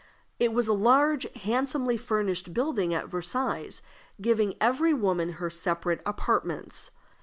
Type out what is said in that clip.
It was a large, handsomely furnished building at Versailles, giving every woman her separate apartments.